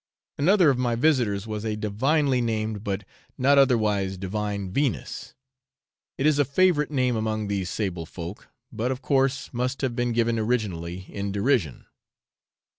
Another of my visitors was a divinely named but not otherwise divine Venus; it is a favourite name among these sable folk, but, of course, must have been given originally in derision.